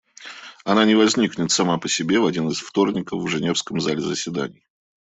Она не возникнет сама по себе в один из вторников в женевском зале заседаний.